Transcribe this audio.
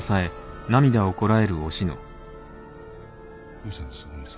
どうしたんです？